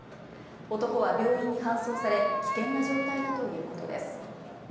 男は病院に搬送され危険な状態だということです。